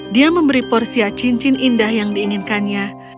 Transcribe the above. dia memberi porsia cincin indah yang diinginkannya